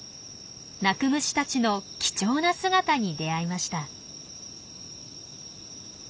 鳴く虫たちの貴重な姿に出会いました。